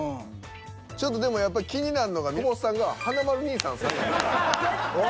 ちょっとでもやっぱり気になるのが久保田さんが華丸兄さんを３位。